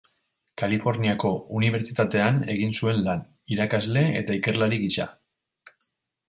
Kaliforniako Unibertsitatean egin zuen lan, irakasle eta ikerlari gisa.